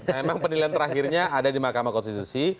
memang penilaian terakhirnya ada di mahkamah konstitusi